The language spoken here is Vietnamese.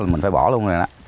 mình phải bỏ luôn rồi đó